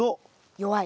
弱い。